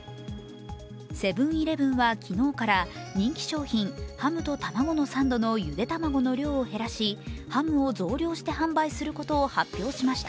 セブン−イレブンは昨日から人気商品、ハムとたまごのサンドのゆで卵の量を減らしハムを増量して販売することを発表しました。